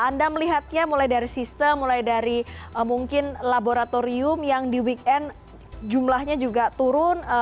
anda melihatnya mulai dari sistem mulai dari mungkin laboratorium yang di weekend jumlahnya juga turun